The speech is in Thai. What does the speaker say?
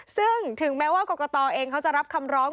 ซึ่งถึงแม้ว่ากรกตเองเขาจะรับคำร้อง